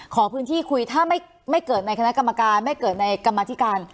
ขอพื้นที่คุยถ้าไม่เกิดในคณะกรรมการไม่เกิดในกรรมธิการ